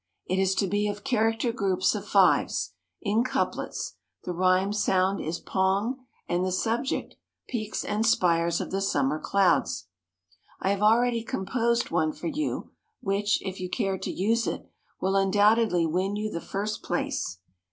It is to be of character groups of fives, in couplets; the rhyme sound is 'pong,' and the subject 'Peaks and Spires of the Summer Clouds.' I have already composed one for you, which, if you care to use it, will undoubtedly win you the first place.